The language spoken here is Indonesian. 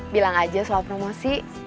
bilang aja soal promosi